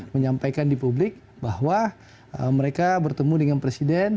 menyampaikan di publik bahwa mereka bertemu dengan presiden